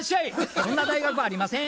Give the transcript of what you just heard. そんな大学ありません。